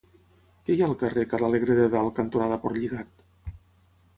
Què hi ha al carrer Ca l'Alegre de Dalt cantonada Portlligat?